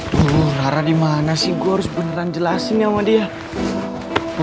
rara dimana sih gue harus beneran jelasinnya sama dia